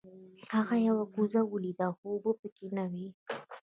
هغه یوه کوزه ولیده خو اوبه پکې نه وې.